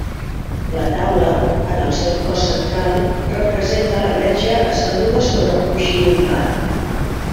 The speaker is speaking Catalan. La taula, en el seu cos central, representa la Verge asseguda sobre un coixí bombat.